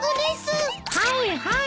はいはい。